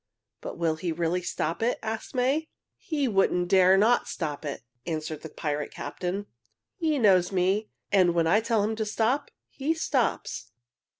"But will he really stop it?" asked May. "He wouldn't dare not to stop it," answered the pirate captain. "He knows me, and when I tell him to stop, he stops."